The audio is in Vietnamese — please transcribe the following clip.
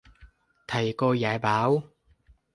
Thầy cô dạy bảo